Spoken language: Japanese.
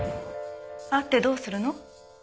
会ってどうするの？